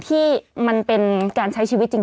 ที่มันเป็นการใช้ชีวิตจริง